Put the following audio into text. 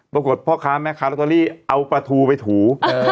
ปรากฏพ่อข้าแม่ขาลโตเตอรีเอาปลาทูไปถู